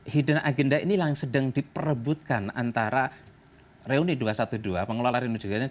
hidden agenda ini sedang diperebutkan antara reuni dua ratus dua belas pengelola reuni dua ratus dua belas